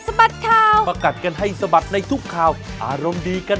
สวัสดีค่ะ